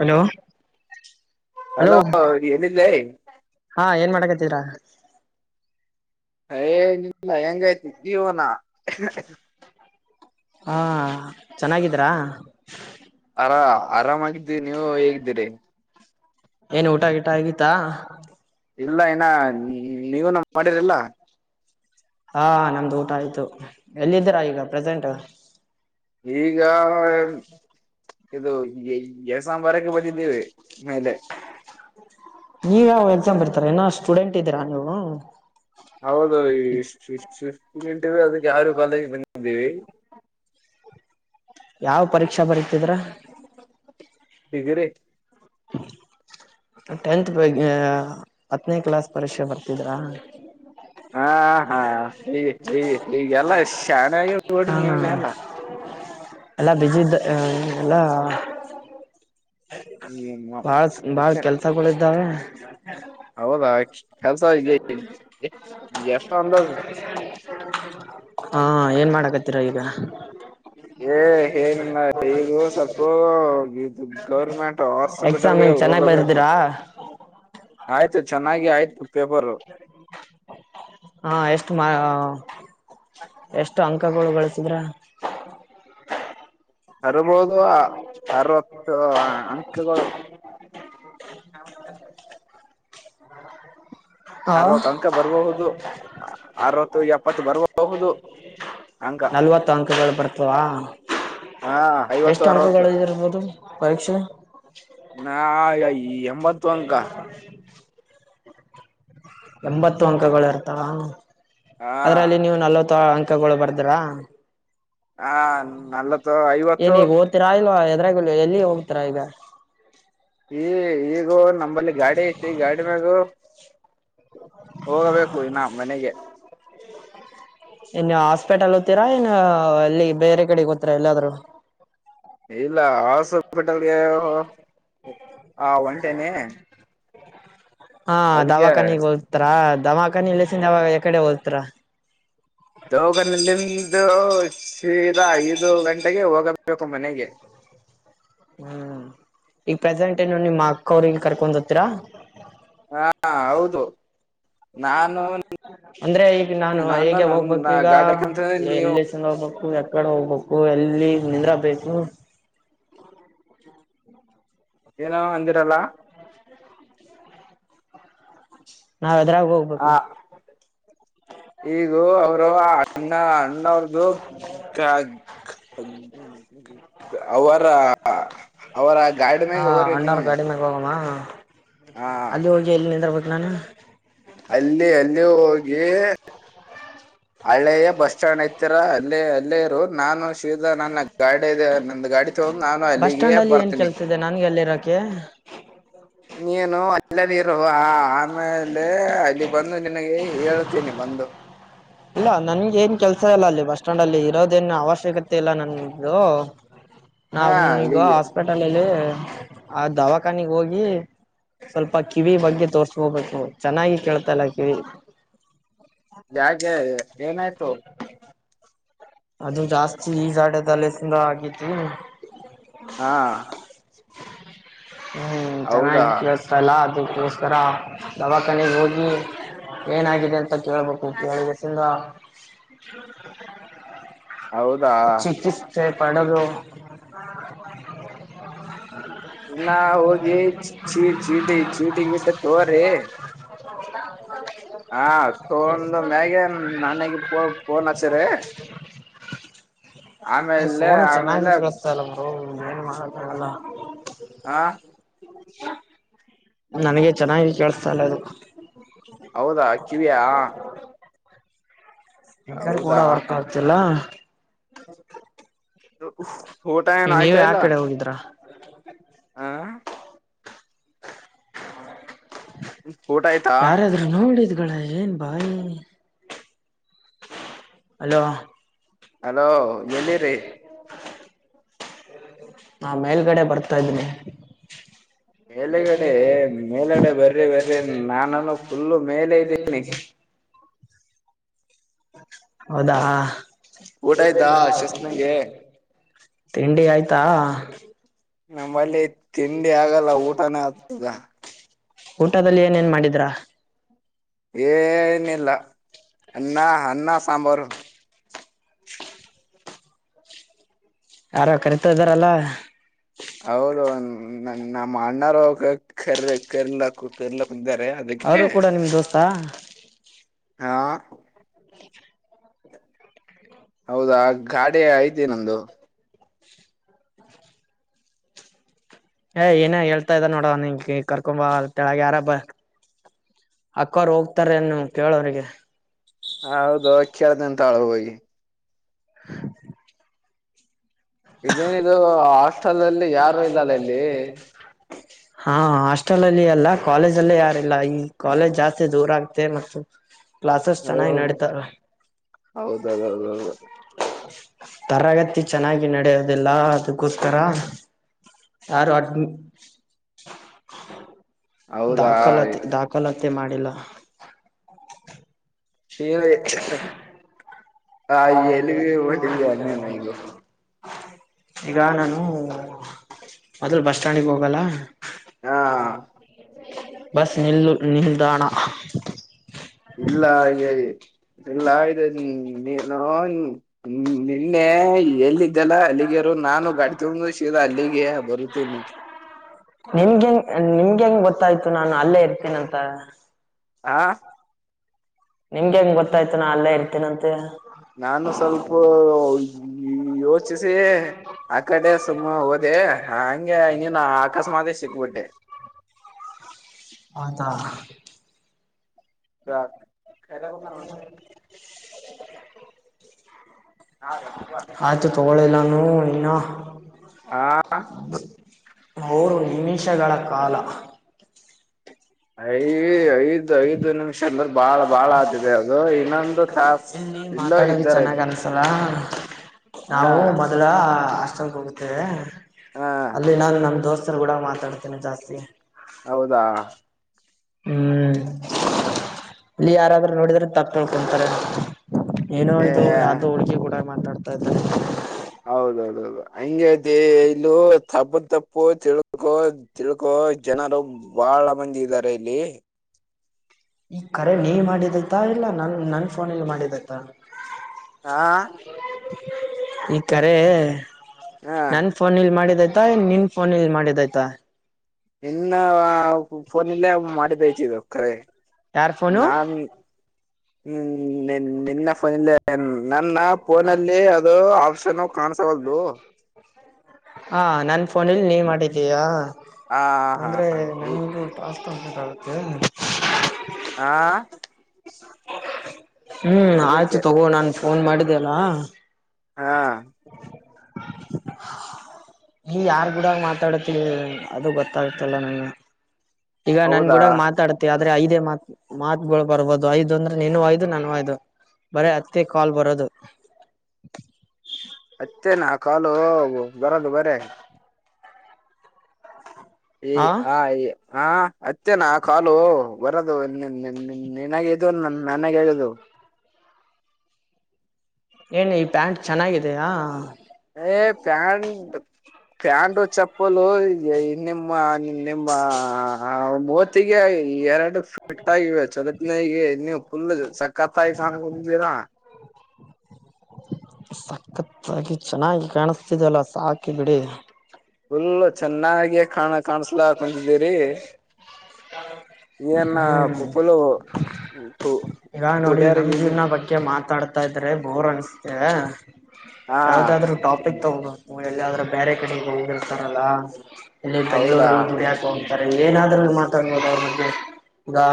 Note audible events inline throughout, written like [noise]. hello hello ಎಲ್ಲಿದ್ಲೇ ಹಾ ಏನ್ ಮಾಡಕ ತಿರ ಏ ನೀ ಇಲ್ಲ ಹೆಂಗೈತಿ ಜೀವನ ಹ [unintelligible] ಹಾ ಚೆನ್ನಾಗಿದ್ರಾ ಆರಾ ಆರಾಮಾಗಿದ್ದೀನಿ ನೀವು ಹೇಗಿದ್ದೀರಿ ಏನ್ ಊಟ ಗಿಟ ಆಗಿತ್ತಾ ಇಲ್ಲ ಹಿನಾ ನಿ ನೀವುನ ಮಾಡಿರಿಲ್ಲ ಹಾ ನಮ್ದು ಊಟ ಆಯ್ತು ಎಲ್ಲಿದ್ದೀರಾ ಈಗ ಪ್ರಜೆಂಟ ಈಗ ಇದು ಗೆ ಸಾಂಬಾರಕ್ಕೆ ಬಂದಿದ್ದೀವಿ ಮೇಲೆ ನೀವ ಯಾವ ಎಕ್ಸಾಮ್ ಬರ್ತೀರಾ ಇನ ಸ್ಟೂಡೆಂಟ್ ಇದ್ದೀರಾ ನೀವು ಹೌದು ಈ [unintelligible] ಟ ಿಫ್ಟಿಂಟ ಅದಕ್ಕೆ ಯಾರು ಪಾಲೆಗೆ ಬಂದಿದ್ದೀವಿ ಯಾವ ಪರೀಕ್ಷಾ ಬರೀತಿದ್ರ ತಿದ್ರಿ ಟೆಂತ್ ಬಗ್ಗೆ ಹತ್ತನೇ ಕ್ಲಾಸ್ ಪರೀಕ್ಷೆ ಬರ್ತಿದ್ರಾ ಹಾ ಹಾ ಈ ಈಗೆಲ್ಲಾ ಮ ಓಡ್ರಿ ನೀವನ ಎಲ್ಲಾ ಎಲ್ಲ ಬಿಜಿದ್ದ ಎಲ್ಲಾ ಹ್ಮ ಬಾಳ್ ಬಾಳ ಕೆಲ್ಸಗಳ ಇದ್ದಾವೆ ಹ್ಮ ಹೌದಾ ಕೆಲಸ ಎಷ್ಟ ಅಂದಾಜ ಹಾ ಏನ್ ಮಾಡಕತ್ತೀರ ಈಗ ಏ ಏನಮ್ಮ ಈಗ ಸ್ವಲ್ಪ ದು ಗೌರ್ಮೆಂಟ್ ಎಕ್ಸಾಮ್ ಹಾಸ್ಪಿಟಲ್ಗೆ ಹಂಗ ಚೆನ್ನಾಗಿ ಹೋಗಬೇಕು ಬರದಿರಾ ಆಯ್ತು ಚೆನ್ನಾಗಿ ಆಯ್ತು ಪೇಪರು ಹಾ ಎಷ್ಟು ಮಾ ಎಷ್ಟು ಅಂಕ ಅಂಕಗಳು ಗಳಸಿದ್ರ ಹರ್ಬೋದು ಅರವತ್ತು ಅಂಕಗಳು ಹಾ ಅರವತ್ತು ಅಂಕ ಬರ್ಬಹುದು ಅರವತ್ತು ಎಪ್ಪತ್ತು ಬರ್ಬಹುದು ಅಂಕ ನಲ್ವತ್ತು ಅಂಕಗಳು ಬರ್ತವಾ ಹಾ ಐವತ್ತು ಎಷ್ಟು ಅರವತ್ತು ಅಂಕಗಳು ಇರ್ಬೋದು ಪರೀಕ್ಷೆ ನಾ ಎಂಬತ್ತು ಅಂಕ ಎಂಬತ್ತು ಅಂಕಗಳು ಇರ್ತಾವಾನ ಹಾ ಅದರಲ್ಲಿ ನೀವು ನಲ್ವತ್ತು ತಗೊಳ್ ಬರ್ದ್ರ ಹಾ ನಲ್ವತ್ತು ಐವತ್ತು ಏನೀಗ ಓತಿರ ಇಲ್ಲಾವಾ ಅಂದ್ರಲ್ಲ ಎಲ್ಲಿ ಹೋಗ್ತಾರ ಈಗ ಈ ಈಗ ನಂಬಲ್ಲಿ ಗಾಡಿ ಐತೆ ಗಾಡಿ ಮಾಗ ಹೋಗಬೇಕು ಇನ್ನ ಮನೆಗೆ ಇನ್ನು ಹಾಸ್ಪೆಟಲ್ ತೀರಾ ಇಏನ್ ಅಲ್ಲಿ ಬೇರೆ ಕಡೆಗೆ ಹತೀರಾ ಎಲ್ಲಾದ್ರೂ ಇಲ್ಲ ಹಾಸ್ಪಿಟಲ್ ಗೆ ಆ ಒಂಟೆನೆ ಹಾ ದವಾಖಾನಿಗ್ ಹೋತಾರ ದವಾಖಾನಿ ಇಲ್ಲಸಾವಾಗ ಕಡೆ ಹೋಲ್ತರ ತೋಗನಲ್ಲಿಂದು ಸೀದಾ ಐದು ಗಂಟೆಗೆ ಹೋಗಬೇಕು ಮನೆಗೆ ಹ್ಮ್ ಈಗ ಪ್ರೆಸೆಂಟ್ ಏನು ನಿಮ್ಮ ಅಕ್ಕವ್ರಿಗೆಗ ಕರ್ಕೊ ಹತ್ತೀರಾ ಹಾ ಹೌದು ನಾ ಅಂದ್ರೆ ಈಗ ನಾನು ಹೇಗೆ ಹೋಗ್ಬೇಕ್ ನನ್ನ ಈಗ ಗಾಡಕಂತಂದ್ರೆ ನೀವು ಎಲ್ಲಿ ತನ್ನ ದ ಹೋಗ್ಬೇಕ ಯಕಡೆ ಹೋಗ್ಬೇಕು ಎಲ್ಲಿ ನಿಂದ್ರ ಬೇಕು ಏನೋ ಅಂದಿರಲ್ಲ ಹ [inaudible] ನಾವ್ ಅದ್ರಾಗ ಹೋಗ್ಬೇಕು ಆ ಈಗ ಅಣ್ಣ ಅಣ್ಣ ಅವ್ರ್ದು [unintelligible] ಹ್ಮ [inaudible] ಅವರ ಹ ಅವರ ಗಾಡಿ ಹಾ ಮ್ಯಾಗ ಅವರೇ ಅಣ್ಣವ್ರ ನೀವನು ಗಾಡಿ ಮಾಗ ಹೋಗಮ್ಮ ಹ ಅಲ್ಲಿ ಹೋಗಿ ಎಲ್ಲಿ ನಿಂದ್ರೂ ಬೇಕ್ ನಾನ ಅಲ್ಲಿ ಅಲ್ಲಿ ಹೋಗಿ ಹಳೆಯ ಬಸ್ ಸ್ಟ್ಯಾಂಡ್ ಐತೀರ ಅಲ್ಲಿ ಅಲ್ಲೇ ಇರು ನಾನು ಶಿವದ ನನ್ನ ಗಾಡಿದೆ ನಂದು ಗಾಡಿ ತಗೊಂಡ್ ನಾನು ಬಸ್ ಅಲ್ಲಿಗೆ ಸ್ಟ್ಯಾಂಡ್ ಅಲ್ಲಿ ಏನ್ ಬರ್ತೀನಿ ಕೆಲ್ಸ ಇದೆ ನನ್ಗೆ ಅಲ್ಲಿರ ಓಕ್ಕೆ ನೀನು ಅಲ್ಲ ಹ ಆಮೇ ಅಲ್ಲೇ ಅಲ್ಲಿ ಬಂದು ನಿನಗೆ ಹೇಳ್ತೇನಿ ಬಂದು ಇಲ್ಲ ನನ್ ಏನ್ ಕೆಲ್ಸ ಇಲ್ಲ ಅಲ್ಲಿ ಬಸ್ ಸ್ಟ್ಯಾಂಡ್ ಅಲ್ಲಿ ಇರೋದೇನು ಅವಶ್ಯಕತೆ ಇಲ್ಲ ನನ್ [unintelligible] ನಾವ ಹಾ ಈಗ ಅಲ್ಲಿಗೆ ಹಾಸ್ಪಿಟಲ್ಲ್ಲಿ ಆ ದವಾಖಾನಗ ಹೋಗಿ ಸ್ವಲ್ಪ ಕಿವಿ ಬಗ್ಗೆ ತೋರ್ಸ್ಕೋಬೇಕು ಚೆನ್ನಾಗಿ ಕೇಳ್ತಲ್ಲ ಕಿವಿ ಯಾಕೆ ಏನಾಯ್ತು ಅದು ಜಾಸ್ತಿ ಈ ಜಾಡದಲೆಸಂದ ಆಗೇತಿ ಹಾ ಹ್ಮ್ ಚೆನ್ನಾಗಿ ಹೌದಾ ಕೆಳಿಸ್ತಾ ಇಲ್ಲ ಅದಕ್ಕೆ ಸ್ಥರ ದವಾಕನೆಗೆ ಹೋಗಿ ಏನಾಗಿದೆ ಎಂತ ಕೇಳ್ಬೇಕು ಕೇಳಿದ [unintelligible] ಹೌದಾ ಚಿಕಿತ್ಸೆ ಪಡಲು ಇನ್ನರ್ಹೋಗಿ ಚೀ ಚೀಟಿ ಚೀಟಿ ಬಿಟ್ಟ ತೋ್ರ ಹೌದಾ [inaudible] ಹಾ ತೋಂದು ಮ್ಯಗನ್ ನನ್ನಗೆಫೋನ್ ಹಚ್ಚರಿ ಆಮೇಲೆ ಆಮೇಲೆ ಮ ಮಾರತಲ್ಲ [inaudible] ಹಾ [inaudible] ನನಗೆ ಚೆನ್ನಾಗಿ ಕೇಳಸ್ತಾಲ್ಲ ಅದು ಹೌದಾ ಕಿವಿಯ ಬೇಕಾರ ಕೂಡ ವರ್ಕ್ ಆಗ್ತಿಲ್ಲ ಹ [inaudible] ನೀವೇ ಆಯ್ತಾ ಯಾ ಇಲ್ಲ ಕಡೆ ಹೋಗಿದ್ರಾ ಹ ಹ ಹ ಯಾರಾದ್ರರು ನೋಡಿದ ಗಳ ಏನ್ ಬಾಯಿ ಅಲೋ ಅಲೋ ಎಲ್ಲಿಿ್ರರಿ ನಾ ಮೇಲ್ಗಡೆ ಬರ್ತಾ ಇದನಿ ಮೇಲೆಗಡೆ ಮೇಲಗಡೆ ಬರ್ರಿ ಬರ್ರರಿ ನಾನನು ಫುಲ್ಲು ಮೇಲೆ ಇದ್ದೀನಿ ಹೌದಾ ಊಟ ಆಯ್ತಾ ಶಸ್ನಗೆ ತಿಂಡಿ ಆಯ್ತಾ ನಮ್ಮಲ್ಲಿ ತಿಂಡಿ ಆಗಲ್ಲ ಊಟನೇ ಆಗ್ತದ ಊಟದಲ್ಲಿ ಏನೇನ್ ಮಾಡಿದ್ರ ಏನಿಲ್ಲ ಅನ್ನ ಅನ್ನ ಸಾಂಬಾರು [unintelligible] ಯಾರ ಕರಿತ ಇದ್ದಾರಲ್ಲ ನ ನ ಮಾಡ ಅ್ಣಾರು ಕೆರೆ ಕೆರೀಕ್ಕು ಕೆರಲ ಅವರು ಕೂಡ ನಿಮ ದೋಸ್ತಾ ಹಾ ಹೌದಾ ಗಾಡಿ ಐತಿ ನ್ದು ಏ ಏನೇ ಹೇಳ್ತಾ ಇದ್ದ ನೋಡವ ನಿ ಕರ್ಕೊಂಬ ಅಳಗ ಯಾರ ಬ ಅಕ್ಕೋರ್ ಹೋಗ್ತಾರ ನ್ನು ಕೇಳವ್ರಿಗೆ ಹಾ ಹೌದು ಅವ ಕೇಳ್ದ ಅಂತಾಳು ಹೋಗಿ ಹ ಇದೇನಿದದು ಹಾಸ್ಟೆಲ್ ಅಲ್ಲಿ ಯಾರು ಇಲ್ಲಲ್ಲ ಇಲ್ಲಿ ಹಾ ಹಾಸ್ಟೆಲ್ ಅಲ್ಲಿ ಅಲ್ಲ ಕಾಲೇಜ ಅಲ್ಲೇ ಯಾರಿಲ್ಲ ಈ ಕಾಲೇಜ್ ಜಾಸ್ತಿ ದೂರ ಆಗ್ತೆ ಮತ್ತು ಕ್ಲಾಸಸ್ ಚೆನ್ನಾಗಿ ಹ್ಮ್ ನಡೀತಾರ ಹೌದೌದೌದೌದು ತರಗತಿ ಚೆನ್ನಾಗಿ ನಡೆಯದು ಅದೆಲ್ಲಾ ಅದಕ್ಕೋಸ್ಕರ ಯಾರು ಅ್ಮಿ ಹೌದಾ ದಾಖಲತಿ ದಾಖಲತಿ ಮತ್ತೆ ಮಾಡಿಲ್ಲ ಹ ಹ ಎಲ್ಲಿಗೆ ಒಿದ್ದ ನೀ ಮಗ ಈಗ ನಾನು ಆದ್ರೂ ಬಸ್ ಸ್ಟ್ಯಾಂಡಿಗೆ ಹೋಗಲ್ಲ ಹಾ ಬಸ್ ನಿಲ್ಲ ನಿಲ್ದಾಣ ಇಲ್ಲ ಹಾಗೆ ಈಲ್ಲ [unintelligible] ನೀ ಹ್ಮ ನಿನ್ನೆ ಎಲ್ಲಿದ್ದಲ್ಲ ಅಲ್ಲಿಗೆರು ನಾನು ಗಾಡಿ ತಂಬ ಶೀರಾ ಅಲ್ಲಿಗೆ ಬರುತೀನ್ ನಿಮಗೆ ಹೆಂಗ ನಿಮ್ಗೆ ಹೆಂಗ್ ಗೊತ್ತಾಯ್ತು ನಾನು ಅಲ್ಲೇ ಇರ್ತೇನ ಅಂತ ಹಾ ನಿಮ್ಗೆ ಹೆಂಗ್ ಗೊತ್ತಾಯ್ತು ನಾ ಎಲ್ಲಾ ಇರ್ತೇನ ಅಂತೆ ನಾನು ಸ್ವಲ್ಪ ಯೋಚಿಸಿ ಆ ಕಡೆ ಸುಮ್ಮ ಹೋದೆ ಹಗೆ ಇನ್ನನು ಅಕಸ್ಮಾತ್ ಸಿಕ್ಬಿಟ್ಟೆ ಹೌದಾ [inaudible] [inaudible] ಆಯ್ತು ತಗೊಳ್ಳಿಲ್ಲಾನ ಇನ್ನ ಅವರು ನಿಮಿಷಗಳ ಕಾಲ ಐದ್ ಐದು ಐದು ನಿಮಿಷ ಅಂದ್ರ ಬಾಳ ಬಾಳ ಆತಿದೆ ಅದು ಇನ್ನೊಂದು ತಾಸ ಇಲ್ಲಿ ಇಲ್ಲೋ ಮಾತಾಡೋದು ಇದ್ದಾರ ಚೆನ್ನಾಗ್ ಇದ್ದಾರೆ ಅನ್ಸಲ್ಲ ಹಾ ಕಷ್ಟ [unintelligible] ಹಾ ಅಲ್ಲಿ ನಾನು ನನ್ ದೋಸ್ತ ಕೂಡ ಮಾತಾಡ್ತೇನೆ ಜಾಸ್ತಿ ಹೌದಾ ಹ್ಮ್ ಇಲ್ಲಿ ಯಾರಾದ್ರೂ ನೋಡಿದ್ರೆ ತಪ್ಪು ತಿಳ್ಕೋತಾರೆ ಏನೋ ಏ ಇದು ಯಾವ್ದು ಹುಡುಗಿ ಮಾತಾಡ್ತಾಯ ಇದ್ದಾರೆ ಹೌದೌದೌದು ಹಂಗತಿ ಇಲ್ಲೂ ತಪ್ಪು ತಪ್ಪು ತಿಳ್ಕೊ ತಿಳ್ಕೊ ಜನರು ಬಾಳ ಮಂದಿ ಇದ್ದಾರೆ ಇಲ್ಲಿ ಈ ಕರೆ ನೀ ಮಾಡಿದೈತಾ ಇಲ್ಲ ನನ್ ನನ್ ಫೋನ ಇಲ್ ಮಾಡಿದೈತ ಹಾ ಈ ಕರೆ ಹ ನನ್ ಫೋನ್ ಇಲ್ ಮಾಡಿದ ನಿನ್ ಫೋನ್ ಇಲ್ ಮಾಡಿದ್ಯ್ತಾ ಇನ್ನ ಫೋನಲ್ಲೇ ಮಾಡಿದ್ದಐತಿ ಇದು ಕರೆ ಯಾರಫೋನು ಹ್ಮ್ ನಿನ್ ನಿನ್ನ ಫೋನ ನನ್ನ ಫೋನಲ್ಲಿ ಅದು ಆಪ್ಷನ್ ಕಾಣಸವಲ್ದು ಹಾ ನನ್ ಫೋನಲ್ಲಿ ನೀವ ಮಾಡಿದ್ದೀಯಾ ಹಾ ಹಾ ಅಂದ್ರೆ ನಮಗೂ ಟಾಸ್ಕ್ ಕಂಪ್ಲೀಟ್ತಾಗುತ್ತೆ ಏನು ಹಾ ಹ್ಮ್ ಆಯ್ತು ಅದಕ್ಕೆ ತಗೋ ನನ್ ಫೋನ್ ಮಾಡಿದ್ದ ಅಲ್ಲ ಹಾ [unintelligible] ನೀ ಯಾರ್ ಗೂಡಾಗ ಮಾತಾಡತಿೀ ಅದು ಗೊತ್ತಾಗತ್ತಲ್ಲ ನನ್ಗೆ ಈಗ ನನ್ ಹೌದಾ ಗೂಡ ಮಾತಾಡ್ತೆ ಅಂದ್ರೆ ಐದೇ ಮಾತ್ ಮಾತ್ಗಳು ಬರ್ಬೋದು ಐದು ಅಂದ್ರೆ ನೀನು ಯದು ನಾನುಯದು ಬರೇ ಅತ್ತೇ ಕಾಲ್ ಬರೋದು ಅತ್ತೇನಾ ಕಾಲು ಬರದು ಬರೇ ಈ ಆ ಹ ಈ ಹಾ ಅತ್ತೆನಾ ಕಾಲು ಬರದು ನನ್ಾಗ ಇದ ನನ್ಗ ಆಗದು ಏನ್ ಈ ಪ್ಯಾಂಟ್ ಚೆನ್ನಾಗಿದೆಯಾ ಪ್ಯಾಂಟೋ ಚಪ್ಪಲು ನಿಮ್ಮ ಾ [unintelligible] ಮೂವತ್ತಿಗೆ ಎರಡು ಫಿಟ್ ಆಗೆ ಚೊಲಿನ ಇವು ಫುಲ್ ಸಕತ್ ಸ್ಾಯ ಾನೆ ಬದ ಸಕ್ಕತ್ತಾಗಿ ಚೆನ್ನಾಗಿ ಕಾಣಿಸ್ತಿದಲ್ಲ ಸಾಕಿ ಬಿಡಿ ಫುಲ್ಲ ಚೆನ್ನಾಗ ಕಾಣ ಕಾಣಸ್ಲಾ ಕುಂತಿದ್ದೀರಿ ನ್ನ ಪುಪ್ಪುಲು ಹೌದು [unintelligible] ಈವಾಗ ನೋಡಿ ನಮ್ ಜೀವ್ನ ಬಗ್ಗೆ ಮಾತಾಡ್ತಾ ಇದ್ರೆ ಬೋರ್ ಅನ್ಸ್ತೆೇ ಹಾ ಯಾವ್ದಾದ್ರು ಟಾಪಿಕ್ ತಗಬುದು ಹ ಎಲ್ಲಿಾದ್ರೂ ಬೇರೆ ಕಡೆಗೆ ಹೋಗಿರ್ತಾರಲ್ಲ ಇಲ್ಲಿ ಹೌದಾ ಬೆಂಗಳೂರು ಗಡಡಿ ಹಾಕ ಸ ಏನಾದ್ರೂ ಮಾತಾಡಬದ ಅವ್ರ ಮಗೆ ಇದಾ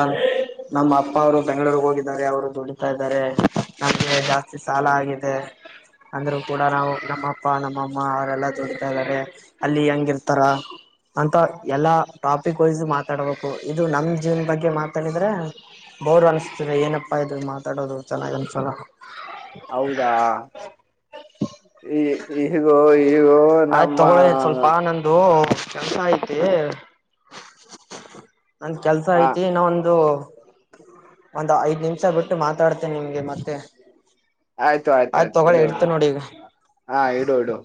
ನಮ್ಮ ಅಪ್ಪ ಅವ್ರು ಬೆಂಗಗಳೂರಿಗೆ ಹೋಗ ಅವರು ದುಡಿತಾ ಇದಾರೆ ನಮ್ಗೆ ಜಾಸ್ತಿ ಸಾಲ ಆಗಿದೆ ಅಂದ್ರರು ಕೂಡ ನಾವು ನಮ್ಮ ಅಪ್ಪ ನಮ್ಮಅಮ್ಮ ಅವರೆಲ್ಲ ದುಡಿತಾ ಇದಾರೆ ಅಲ್ಲಿ ಹೆಂಗ ಇರ್ತಾರ ಅಂತ ಎಲ್ಲಾ ಟಾಪಿಕ್ ವೈಸ್ ಮಾತಾಡಬೇಕು ಇದು ನಮ್ ಜೀವನ್ ಬಗ್ಗೆ ಮಾತಾಡಿದ್ರೆ ಬೋರ್ ಅನ್ ಏನಪ್ಪಾ ಇದ್ರು ಮಾತಾಡೋದು ಚೆನ್ನಾಗ್ ಅನ್ಸೋಲ್ಲ ಹೌದಾ ಈ ಈಗ ಈಗ ಆಯ್ತ್ ನಮ್ಮ ತಗೊಳ್ಳಿ ಸ್ವಲ್ಪ ನಂದು ಕೆಲ್ಸ ಐ್ತೆ ನಂದ ಕೆಲ್ಸ ಹ ಐತಿ ನೊಂದು ಒಂದ ಐದ್ ನಿಮಿಷ ಬಿಟ್ಟು ಮಾತಾಡ್ತೇನೆ ನಿಮ್ಗೆ ಮತ್ತೆ ಆಯ್ತು ಆಯ್ತು ಆಯ್ತ್ ಆಯ್ತು ತಗೊಳ್ಳಿ ಇಡೋಡು ಇಡ್ತೇನ್ ನೋಡಿ ಈಗ ಹಾ ಇಡುೋ ಇಡು